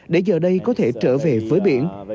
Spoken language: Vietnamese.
để giờ đây có thể trở về với biển